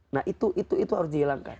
nah itu harus dihilangkan